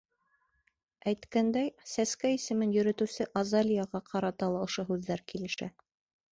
Әйткәндәй, сәскә исемен йөрөтөүсе Азалияға ҡарата ла ошо һүҙҙәр килешә.